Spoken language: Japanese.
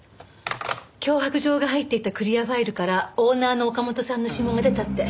脅迫状が入っていたクリアファイルからオーナーの岡本さんの指紋が出たって。